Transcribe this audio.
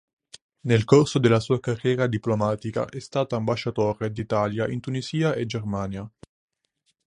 Nella corso della sua carriera diplomatica è stato ambasciatore d'Italia in Tunisia e Germania.